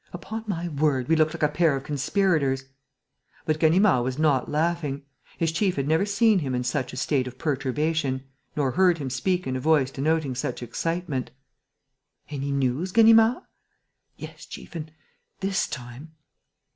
Upon my word, we look like a pair of conspirators!" But Ganimard was not laughing. His chief had never seen him in such a state of perturbation, nor heard him speak in a voice denoting such excitement: "Any news, Ganimard?" "Yes, chief, and ... this time